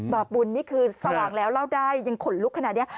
บาปบุญนี่คือสว่างแล้วเล่าได้ยังขนลุกขนาดนี้